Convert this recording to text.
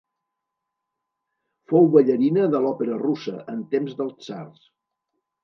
Fou ballarina de l'Òpera Russa, en temps dels tsars.